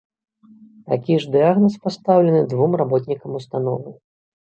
Такі ж дыягназ пастаўлены двум работнікам ўстановы.